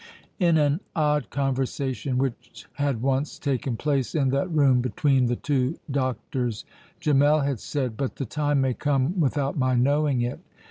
In an odd conversation which had once taken place in that room between the two doctors, Gemmell had said: "But the time may come without my knowing it."